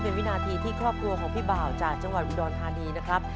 เป็นวินาทีที่ครอบครัวของพี่บ่าวจากจังหวัดอุดรธานีนะครับ